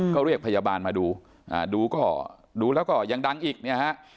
ก็เรียกพยาบาลมาดูดูก็ดูแล้วก็ยังดังอีกเนี่ยฮะ